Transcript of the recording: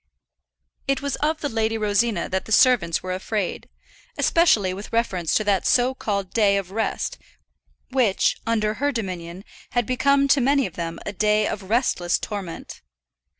It was of the Lady Rosina that the servants were afraid, especially with reference to that so called day of rest which, under her dominion, had become to many of them a day of restless torment.